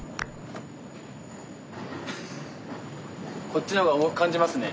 こっちの方が重く感じますね。